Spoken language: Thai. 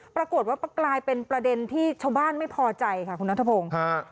ปรากฏว่ากลายเป็นประเด็นที่ชาวบ้านไม่พอใจค่ะคุณนัทพงศ์